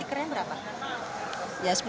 bisik mi sial tersipai